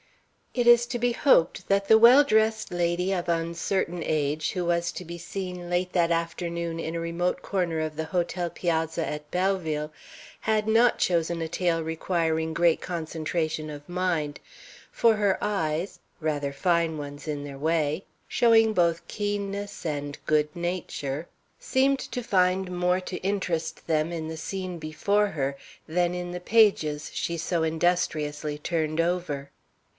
It is to be hoped that the well dressed lady of uncertain age who was to be seen late that afternoon in a remote corner of the hotel piazza at Belleville had not chosen a tale requiring great concentration of mind, for her eyes (rather fine ones in their way, showing both keenness and good nature) seemed to find more to interest them in the scene before her than in the pages she so industriously turned over.